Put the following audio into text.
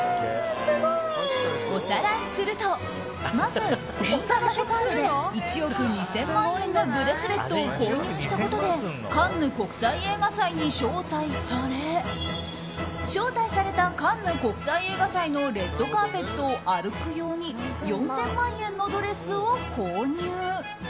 おさらいするとまず銀座のショパールで１億２０００万円のブレスレットを購入したことでカンヌ国際映画祭に招待され招待されたカンヌ国際映画祭のレッドカーペットを歩く用に４０００万円のドレスを購入。